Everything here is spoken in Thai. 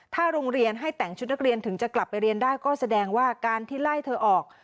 ถ้าโรงเรียนให้แต่งชุดนักเรียนถึงจะกลับไปเรียนได้ก็แสดงว่าการที่ไล่เธอออก